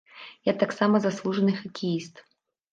Я таксама заслужаны хакеіст.